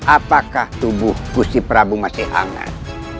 apakah tubuh kursi prabu masih hangat